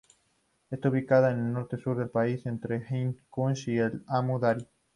Está ubicada al noreste del país, entre el Hindu Kush y el Amu Daria.